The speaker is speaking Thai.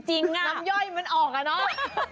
วั้ำย่อยมันออกเนอะ